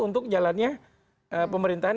untuk jalannya pemerintahan